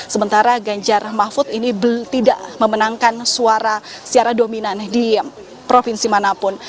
sementara ganjar mahfud ini tidak memenangkan suara secara dominan di provinsi manapun